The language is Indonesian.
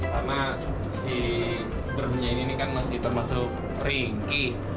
karena si bremnya ini kan masih termasuk ringkih